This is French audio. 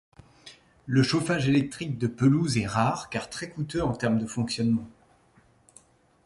Le chauffage électrique de pelouse est rare car très coûteux en termes de fonctionnement.